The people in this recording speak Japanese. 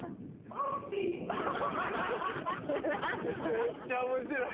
めっちゃ面白い。